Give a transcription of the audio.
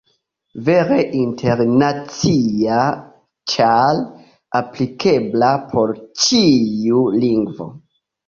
Vere internacia, ĉar aplikebla por ĉiu lingvo.